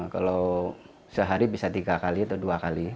kalau sehari bisa tiga kali atau dua kali